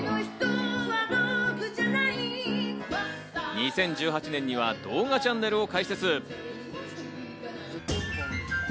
２０１８年には動画チャンネルを開設。